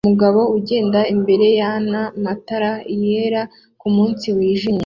Umugabo ugenda imbere yana matara yera kumunsi wijimye